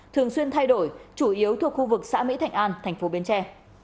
thường xuyên thay đổi chủ yếu thuộc khu vực xã mỹ thạnh an thành phố bến tre